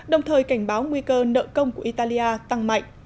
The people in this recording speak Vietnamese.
đồng thời cảnh báo nguy cơ nợ công của italia tăng mạnh